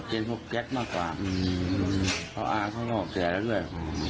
เก็บพวกแก๊ดมากกว่าเขาเอ้าเขาก็แสไงก็เลย